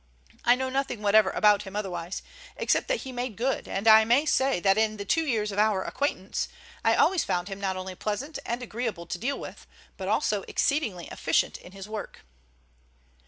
I know nothing whatever about him otherwise, except that he made good, and I may say that in the two years of our acquaintance I always found him not only pleasant and agreeable to deal with, but also exceedingly efficient in his work."